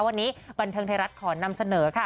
วันนี้บันเทิงไทยรัฐขอนำเสนอค่ะ